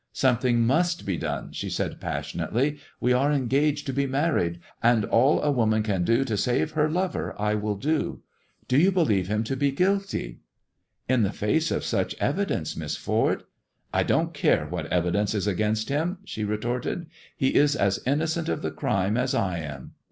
" Something must be done," she said passionately. " We are engaged to be married, and all a woman can do to save her lover I will do. Do you believe him to be guilty ^"*' In the face of such evidence, Miss Ford " "I don't care what evidence is against him," she re torted ;" he is as innocent of the crime as I am.